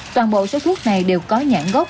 toàn bộ số thuốc này đều có nhãn gốc